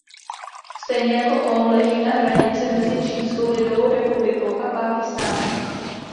Stejně jako on leží na hranici mezi Čínskou lidovou republikou a Pákistánem.